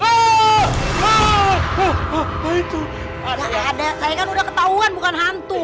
wah ada saya kan udah ketahuan bukan hantu